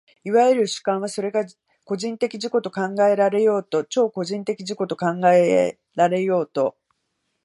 いわゆる主観は、それが個人的自己と考えられようと超個人的自己と考えられようと、